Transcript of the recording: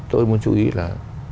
tôi muốn chú ý là